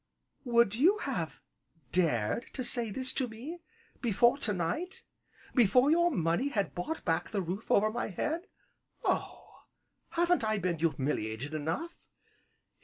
"Would you have dared to say this to me before to night? before your money had bought back the roof over my head? Oh! haven't I been humiliated enough?